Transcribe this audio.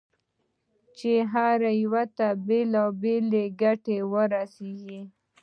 چې هر یوه ته بېلابېلې ګټې ورسېږي.